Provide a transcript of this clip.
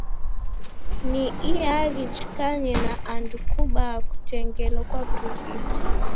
Ni iaghi jikanye na andu kubaa kutengelo kwa w'urighiti.